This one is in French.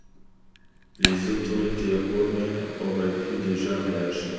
Les autorités romaines auraient pu déjà réagir.